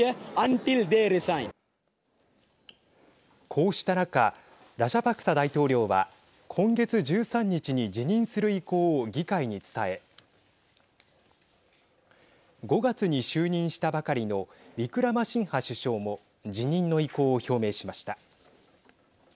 こうした中ラジャパクサ大統領は今月１３日に辞任する意向を議会に伝え５月に就任したばかりのウィクラマシンハ首相も辞任の意向を表明しました。